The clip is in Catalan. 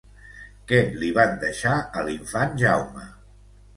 Què li van deixar a l'infant Jaume?